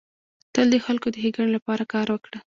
تل د خلکو د ښيګڼي لپاره کار وکړه.